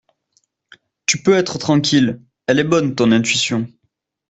tu peux être tranquille. Elle est bonne, ton intuition.